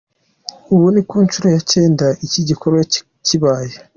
Ubu ni ku nshuro ya cyenda iki gikorwa kibaye.